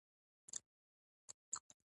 په لاره کې یوه میوه پرته وه